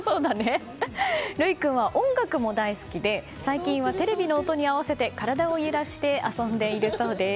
琉生君は音楽も大好きで最近はテレビの音に合わせて体を揺らして遊んでいるそうです。